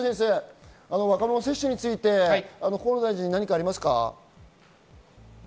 若者の接種について河野大臣に何かありますか？